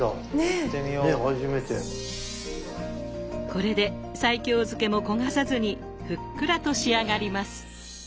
これで西京漬けも焦がさずにふっくらと仕上がります。